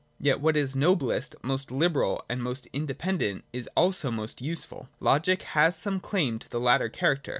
Yet if what is noblest, most liberal and most indepen : dent is also most useful, Logic has some claim to the latter character.